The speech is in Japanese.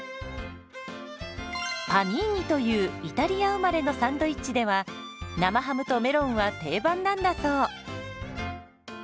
「パニーニ」というイタリア生まれのサンドイッチでは生ハムとメロンは定番なんだそう。